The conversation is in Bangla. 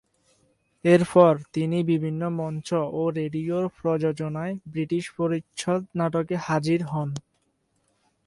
এরপর তিনি বিভিন্ন মঞ্চ ও রেডিওর প্রযোজনায় "ব্রিটিশ পরিচ্ছদ নাটকে" হাজির হন।